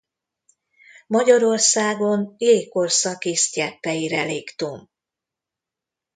Magyarországon jégkorszaki sztyeppei reliktum.